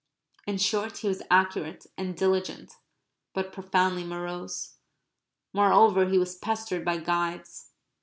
In short he was accurate and diligent; but profoundly morose. Moreover he was pestered by guides.